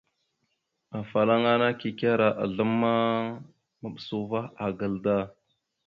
Afalaŋa kikera azlam ma, maɓəsa uvah agal da.